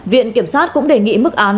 viện kiểm sát cũng đề nghị mức án